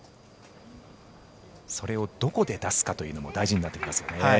それをどこで出すかというのも大事になってきますよね。